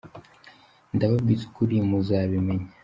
Ndababwiza ukuri muzabimenya